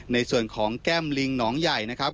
ในส่วนของแก้มลิงหนองใหญ่นะครับ